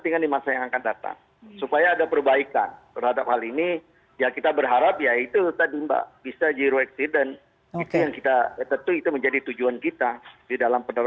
ini kan sudah terjadi nih